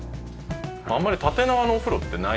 あんまり縦長のお風呂ってない。